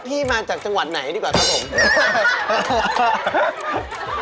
มาจากจังหวัดไหนดีกว่าครับผม